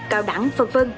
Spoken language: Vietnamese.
cao đẳng v v